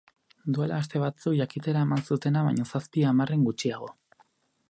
Duela aste batzuk jakitera eman zutena baino zazpi hamarren gutxiago.